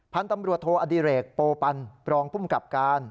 พันธุ์ตำรวจโทอดิเรกโปปันรองภูมิกับการ